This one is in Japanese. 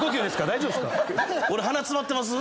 大丈夫ですか？